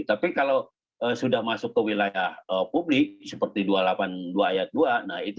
tapi kalau sudah masuk ke wilayah publik seperti dua ratus delapan puluh dua ayat dua